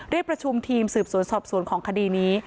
เรียกประชุมทีมสืบสวนสอบสวนของคดีนี้